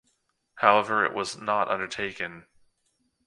However it was not undertaken.